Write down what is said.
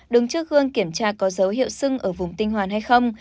đứng trước hương kiểm tra có dấu hiệu sưng ở vùng tinh hoàn hay không